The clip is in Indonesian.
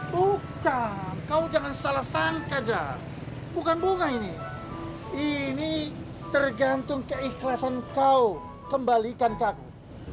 bukan kau jangan salah sangka bukan bunga ini ini tergantung keikhlasan kau kembalikan ke aku